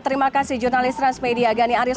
terima kasih jurnalis transmedia gani aris